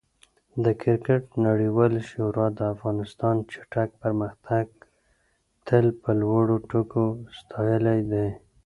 د کرکټ نړیوالې شورا د افغانستان چټک پرمختګ تل په لوړو ټکو ستایلی دی.